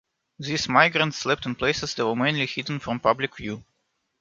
These migrants slept in places that were mainly hidden from public view.